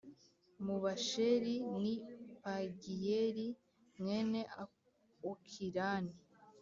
mu Bashēri ni Pagiyeli mwene Okirani